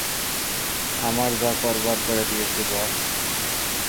আমার যা করবার করে দিয়েছি, বস্।